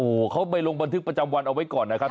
โอ้โหเขาไปลงบันทึกประจำวันเอาไว้ก่อนนะครับ